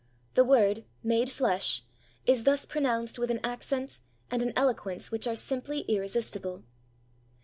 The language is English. The Word, made flesh, is thus pronounced with an accent and an eloquence which are simply irresistible.